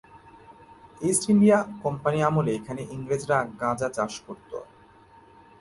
East India Company আমলে এখানে ইংরেজরা গাঁজা চাষ করতো।